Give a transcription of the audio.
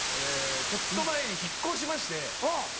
ちょっと前に引っ越しまして。